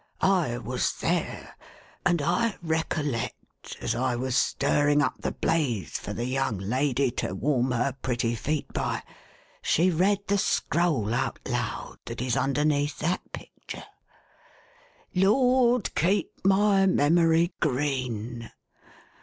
I was there; and I recollect, as I was stirring up the bla/t for the young lady to warm her prettv feet by, .she read the scroll out loud, that is underneath that picter. * Lord, keep my memory green!'